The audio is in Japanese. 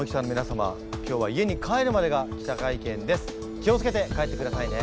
気を付けて帰ってくださいね。